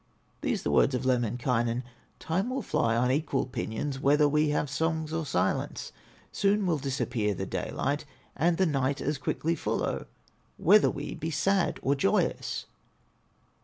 These the words of Lemminkainen: "Time will fly on equal pinions Whether we have songs or silence; Soon will disappear the daylight, And the night as quickly follow, Whether we be sad or joyous."